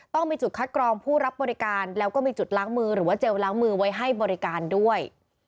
ต้องมีจุดคัดกรองผู้รับบริการแล้วก็มีจุดล้างมือหรือว่าเจลล้างมือไว้ให้บริการด้วย